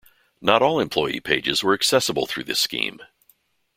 Not all employee pages were accessible through this scheme.